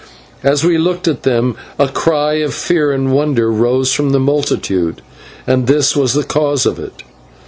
As we looked at them a cry of fear and wonder rose from the multitude, and this was the cause of it.